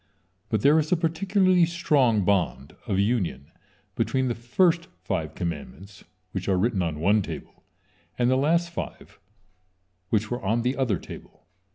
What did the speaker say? But there is a particularly strong bond of union between the first five commandments, which are written on one table, and the last five, which were on the other table.